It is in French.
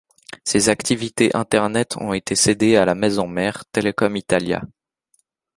Ces activités Internet ont été cédées à la maison-mère, Telecom Italia.